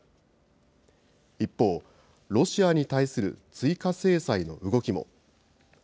一方、ロシアに対する追加制裁の動きも。